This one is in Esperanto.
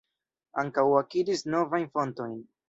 Ankaŭ akiris novajn fontojn.